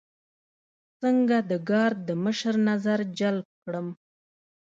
څنګه د ګارد د مشر نظر جلب کړم.